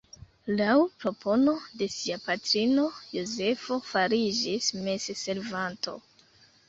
Laŭ propono de sia patrino Jozefo fariĝis messervanto.